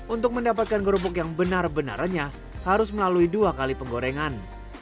untuk mendapatkan kerupuk yang benar benar renyah harus melalui dua kali penggorengan